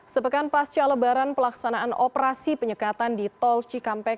sepekan pasca lebaran pelaksanaan operasi penyekatan di tol cikampek